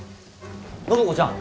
暢子ちゃん